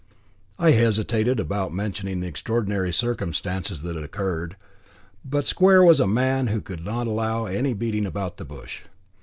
I hesitated about mentioning the extraordinary circumstances that had occurred; but Square was a man who would not allow any beating about the bush.